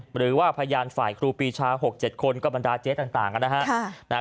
หรือว่าพยานฝ่ายครูปีชา๖๗คนก็บรรดาเจ๊ต่างนะฮะ